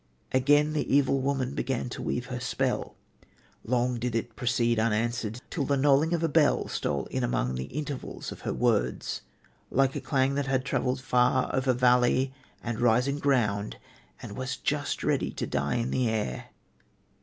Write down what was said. Again that evil woman began to weave her spell. Long did it proceed unanswered, till the knolling of a bell stole in among the intervals of her words, like a clang that had travelled far over valley and rising ground and was just ready to die in the air...